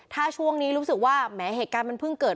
ถ้าช่วงนี้รู้สึกว่าแหมเหตุการณ์มันเพิ่งเกิด